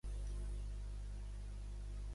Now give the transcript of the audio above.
Agredeixo el mexicà a la sala de billars.